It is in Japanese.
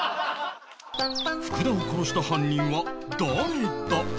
福田を殺した犯人は誰だ？